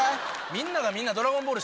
みんながみんな「ドラゴンボール」